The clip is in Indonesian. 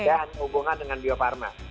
saya hanya hubungan dengan biopharma